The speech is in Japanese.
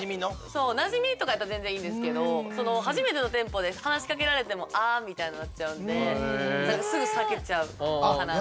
そうなじみとかやったら全然いいんですけど初めての店舗で話しかけられても「あ」みたいになっちゃうんですぐ避けちゃうかな。